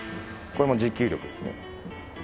これも持久力ですね。